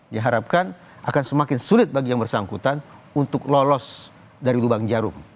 diharapkan akan semakin sulit bagi yang bersangkutan untuk lolos dari lubang jarum